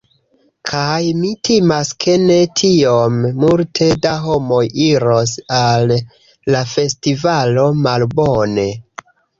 Kaj mi timas ke ne tiom multe da homoj iros al la festivalo. Malbone!